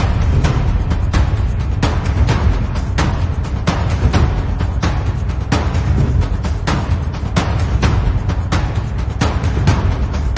หมายถึงว่าผมต้องนั่งรอฝั่งไปดูนะครับ